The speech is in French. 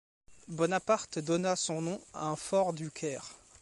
Bonaparte donna son nom à un fort du Caire.